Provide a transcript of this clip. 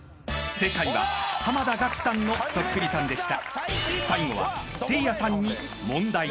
［正解はせいやさんのそっくりさんでした］